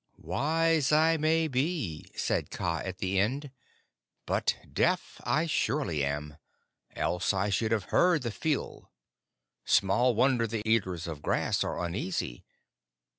"Wise I may be," said Kaa at the end; "but deaf I surely am. Else I should have heard the pheeal. Small wonder the Eaters of Grass are uneasy.